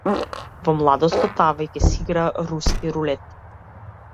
Во младоста, таа веќе си игра руски рулет.